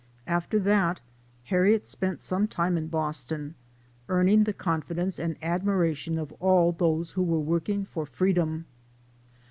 After that, Harriet spent some time in Boston, earning the confidence and admiration of all those who were working for free dom.